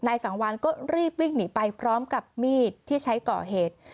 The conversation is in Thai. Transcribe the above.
สังวานก็รีบวิ่งหนีไปพร้อมกับมีดที่ใช้ก่อเหตุ